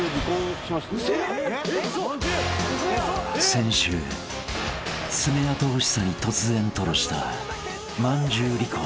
［先週爪痕欲しさに突然吐露したまんじゅう離婚］